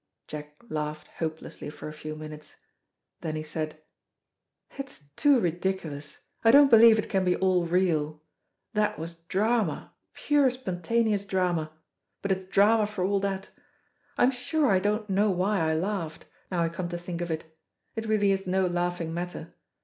Jack laughed hopelessly for a few minutes. Then he said, "It is too ridiculous. I don't believe it can be all real. That was drama, pure spontaneous drama. But it's drama for all that. I'm sure I don't know why I laughed, now I come to think of it. It really is no laughing matter.